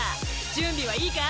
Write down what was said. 準備はいいか？